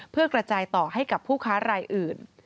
เพื่อกระจายต่อให้กับผู้ค้ารายอื่น